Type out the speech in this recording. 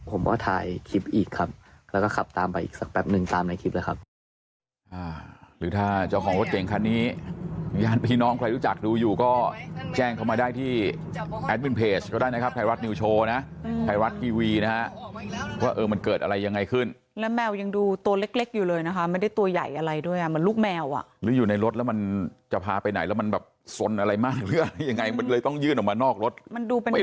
ผมก็ถ่ายคลิปอีกครับแล้วก็ขับตามไปอีกสักแป๊บหนึ่งตามในคลิปเลยครับ